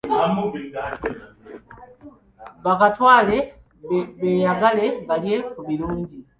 Bakatwale beeyagale balye ku birungi.